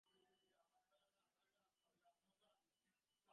রমেশ কহিল, নীচে পানওয়ালা পান বেচিতেছে।